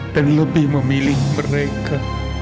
dan lebih memilih mereka